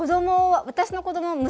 私の子ども